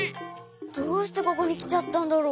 どうしてここにきちゃったんだろ？